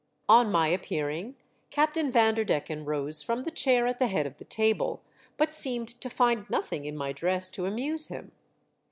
On my appearing, Captain Vanderdecken rose from the chair at the head of the table, but seemed to find nothing in my dress to amuse him.